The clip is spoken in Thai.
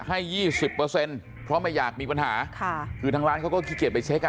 ให้๒๐เพราะไม่อยากมีปัญหาคือทางร้านเขาก็ขี้เกียจไปเช็ค